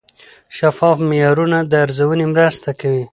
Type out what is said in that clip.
شفاف معیارونه د ارزونې مرسته کوي.